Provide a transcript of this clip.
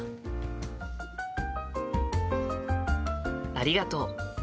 ありがとう。